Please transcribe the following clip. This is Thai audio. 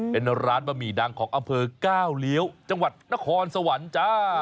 เป็นร้านบะหมี่ดังของอำเภอก้าวเลี้ยวจังหวัดนครสวรรค์จ้า